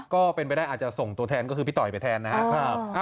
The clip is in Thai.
ก็เป็นไปได้อาจจะส่งตัวแทนก็คือพี่ต่อยไปแทนนะครับ